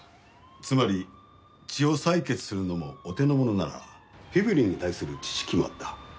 つまり血を採血するのもお手のものならフィブリンに対する知識もあった。